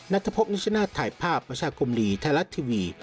นัทพบนิชนาศถ่ายภาพประชาคมดีไทยรัฐทีวี